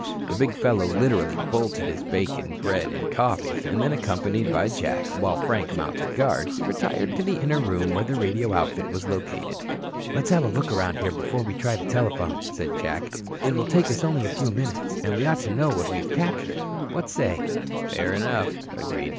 The big fellow literally bolted his bacon, bread and coffee, and then accompanied by Jack, while Frank mounted guard, he retired to the inner room where the radio outfit was located. "Let's have a look around here before we try to telephone," said Jack. "It will take us only a few minutes. And we ought to know what we have captured. What say?" "Fair enough," Bob agreed.